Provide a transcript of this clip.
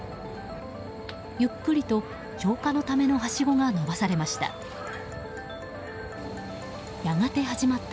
ゆっくりと、消火のためのはしごが延ばされました。